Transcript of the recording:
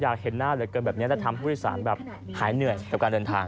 อยากเห็นหน้าเหลือเกินแบบนี้แล้วทำผู้โดยสารแบบหายเหนื่อยกับการเดินทาง